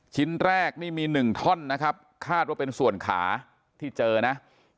ชิ้นแรกนี่มี๑ท่อนนะครับคาดว่าเป็นส่วนขาที่เจอนะ